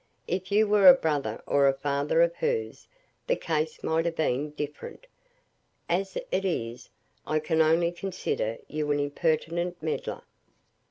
If you were a brother, or father of hers, the case might have been different. As it is, I can only consider you an impertinent meddler."